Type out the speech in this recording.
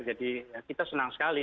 jadi kita senang sekali